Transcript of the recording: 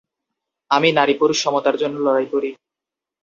আমি নারী -পুরুষের সমতার জন্য লড়াই করি।